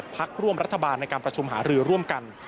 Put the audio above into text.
พักร่วมรัฐบาลในการประชุมหารือร่วมกัน